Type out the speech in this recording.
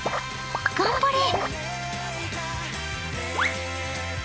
頑張れ。